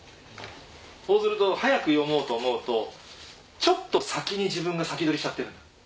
そうすると速く読もうと思うとちょっと先に自分が先取りしちゃってるのよ。